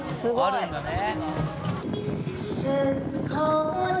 あるんだね。